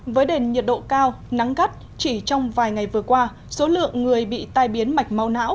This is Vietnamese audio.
với đền nhiệt độ cao nắng gắt chỉ trong vài ngày vừa qua số lượng người bị tai biến mạch mau não